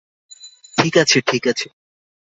ঠিক আছে, ঠিক আছে।